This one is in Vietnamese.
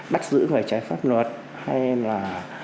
bắt giữ người trái pháp luật hay là